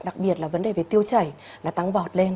đặc biệt là vấn đề về tiêu chảy là tăng vọt lên